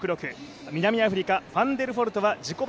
南アフリカ、ファンデルエルストは自己